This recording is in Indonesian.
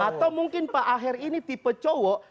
atau mungkin pak aher ini tipe cowok